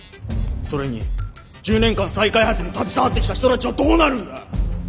それに１０年間再開発に携わってきた人たちはどうなるんだ！